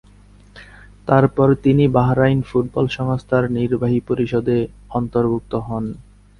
তারপর তিনি Bahrain football সংস্থার নির্বাহী পরিষদে অন্তর্ভুক্ত হন।